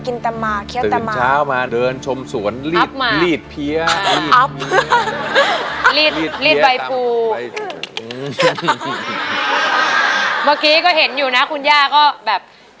อันนี้สูงมากสูงมากครับ